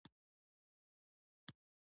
د هغه لپاره د خيرخواهي يو کار وکړي.